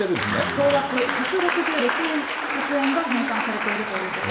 総額１６６億円が返還されているということ。